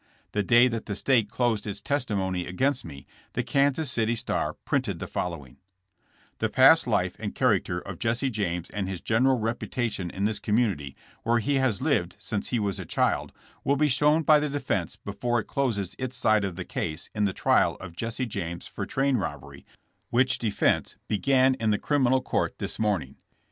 The day that the state closed its testimony against me the Kansas City Star printed the follow ing: '*The past life and character of Jesse James and his general reputation in this community, where he has lived since he was a child, will be shown by the defense before it closes its side of the case in the trial of Jesse James for train robbery, which de fense began in the criminal court this morning.